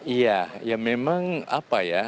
iya ya memang apa ya